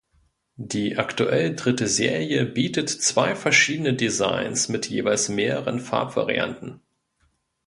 Die aktuell dritte Serie bietet zwei verschiedene Designs mit jeweils mehreren Farbvarianten.